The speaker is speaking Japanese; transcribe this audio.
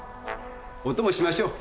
お供しましょう。